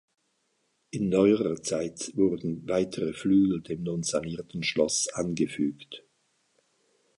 In neuerer Zeit wurden weitere Flügel dem nun sanierten Schloss angefügt.